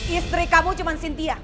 istri kamu cuman sintia